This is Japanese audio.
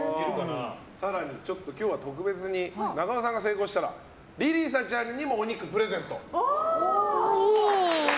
更にちょっと今日は特別に中尾さんが成功したら莉里沙ちゃんにもお肉をプレゼント。